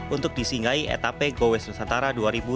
untuk disinggahi etape go west nusantara dua ribu sembilan belas